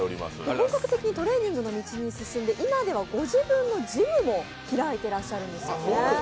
本格的にトレーニングの道に進んで、今ではご自分のジムも開いていらっしゃるんですね。